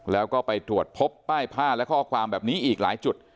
แล้วก็ไปตรวจพบป้ายผ้าและข้อความแบบนี้อีกหลายจุด